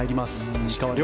石川遼。